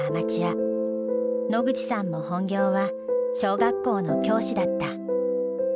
野口さんも本業は小学校の教師だった。